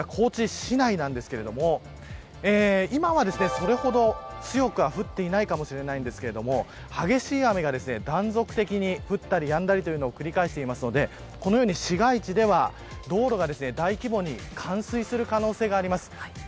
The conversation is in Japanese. そうしますとこちら、高知市内ですが今はそれほど強くは降っていないかもしれないんですけれども激しい雨が断続的に降ったりやんだりというのを繰り返していますのでこのように市街地では道路が大規模に冠水する可能性があります。